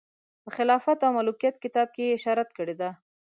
په خلافت او ملوکیت کتاب کې یې اشاره کړې ده.